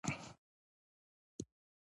یا برعکس ده.